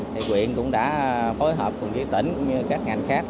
thì quyện cũng đã phối hợp cùng với tỉnh cũng như các ngành khác